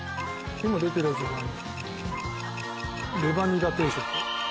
今出てるやつじゃない。